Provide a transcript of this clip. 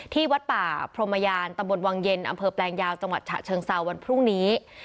วัดป่าพรหมยานตำบลวังเย็นอำเภอแปลงยาวจังหวัดฉะเชิงเซาวันพรุ่งนี้